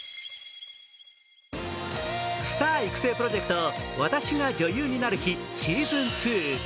スター育成プロジェクト『私が女優になる日＿』